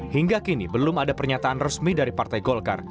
hingga kini belum ada pernyataan resmi dari partai golkar